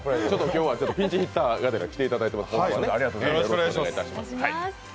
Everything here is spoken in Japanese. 今日はピンチヒッターがてら来ていただいています。